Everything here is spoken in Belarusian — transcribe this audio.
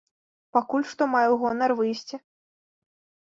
Пакуль што маю гонар выйсці.